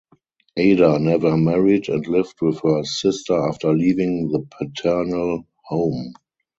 Ada never married and lived with her sister after leaving the paternal home.